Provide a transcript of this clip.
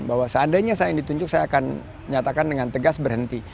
bahwa seandainya saya yang ditunjuk saya akan nyatakan dengan tegas berhenti